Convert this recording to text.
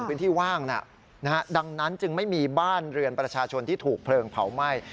พื้นที่ว่างดังนั้นจึงไม่มีบ้านเรือนประชาชนที่ถูกเพลิงเผาไหม้